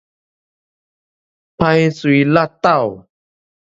歹喙搦斗